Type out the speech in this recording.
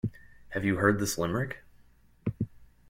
Have you heard this limerick?